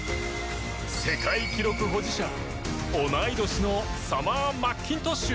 世界記録保持者、同い年のサマー・マッキントッシュ！